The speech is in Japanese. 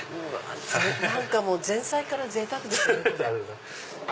何か前菜からぜいたくですね。